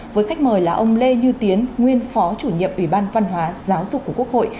với khách mời là ông lê như tiến nguyên phó chủ nhiệm ủy ban văn hóa giáo dục của quốc hội